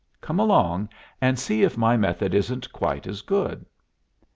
Come along and see if my method isn't quite as good."